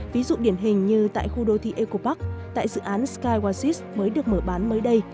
ví dụ điển hình như tại khu đô thị eco park tại dự án skywarsis mới được mở bán mới đây